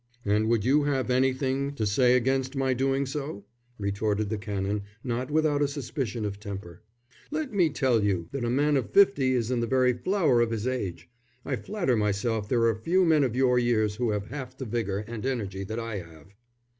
"And would you have anything to say against my doing so?" retorted the Canon, not without a suspicion of temper. "Let me tell you that a man of fifty is in the very flower of his age. I flatter myself there are few men of your years who have half the vigour and energy that I have."